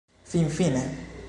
finfine